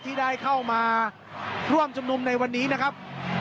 ที่ได้เข้ามาร่วมชุมนุมในวันนี้นะครับ